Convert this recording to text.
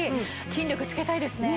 筋力つけたいですね。